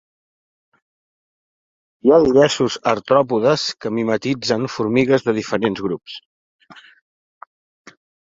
Hi ha diversos artròpodes que mimetitzen formigues de diferents grups.